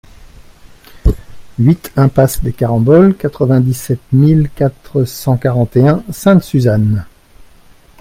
huit impasse des Caramboles, quatre-vingt-dix-sept mille quatre cent quarante et un Sainte-Suzanne